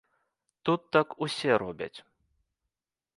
Тут так усе робяць.